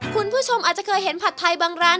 คุณผู้ชมอาจจะเคยเห็นผัดไทยบางร้าน